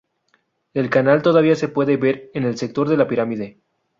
El canal todavía se puede ver en el sector de La Pirámide.